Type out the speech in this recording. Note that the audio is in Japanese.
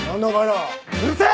うるせえ！